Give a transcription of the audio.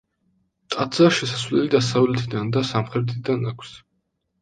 ტაძარს შესასვლელი დასავლეთიდან და სამხრეთიდან აქვს.